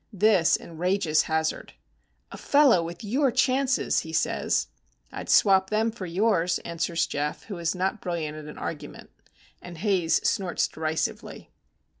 This enrages Hazard. "A fellow with your chances!" he says. "I'd swap them for yours," answers Geof, who is not brilliant at an argument. And Haze snorts derisively.